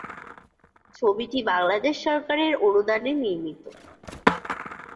ছবিটি বাংলাদেশ সরকারের অনুদানে নির্মিত।